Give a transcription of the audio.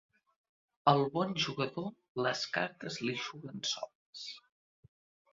Al bon jugador les cartes li juguen soles.